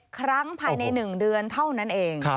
ครั้งภายใน๑เดือนเท่านั้นเอง